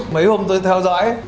mấy hôm tôi theo dõi